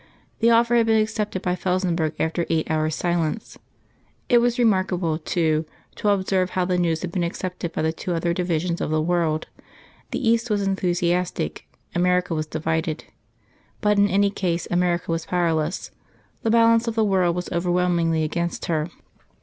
The offer had been accepted by Felsenburgh after eight hours' silence. It was remarkable, too, to observe how the news had been accepted by the two other divisions of the world. The East was enthusiastic; America was divided. But in any case America was powerless: the balance of the world was overwhelmingly against her.